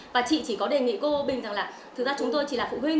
và chị chỉ có đề nghị cô bình rằng là thực ra chúng tôi chỉ là phụ huynh